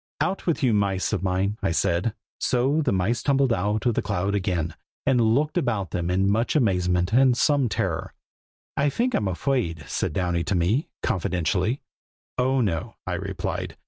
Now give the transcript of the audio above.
"Out with you, mice of mine!" I said. So the mice tumbled out of the cloud again, and looked about them in much amazement and some terror. "I fink I'm afraid!" said Downy to me, confidentially. "Oh, no!" I replied.